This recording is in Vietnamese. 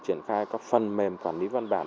triển khai các phần mềm quản lý văn bản